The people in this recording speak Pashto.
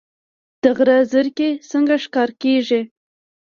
د غره زرکې څنګه ښکار کیږي؟